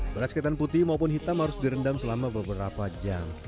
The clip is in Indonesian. beras ketan putih maupun hitam harus direndam selama beberapa jam